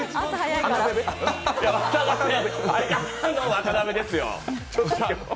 渡辺ですよ。